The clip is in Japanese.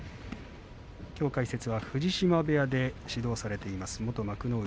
きょう解説は藤島部屋で指導されている幕内